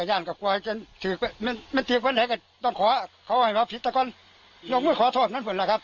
มันขอมันวางคัลเป็นคนหนุ่ม